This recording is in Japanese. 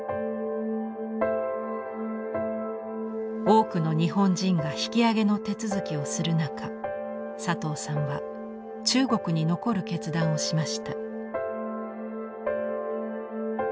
多くの日本人が引き揚げの手続きをする中佐藤さんは中国に残る決断をしました。